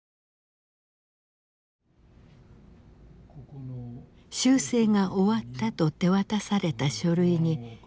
修正が終わったと手渡された書類に島田さんは署名した。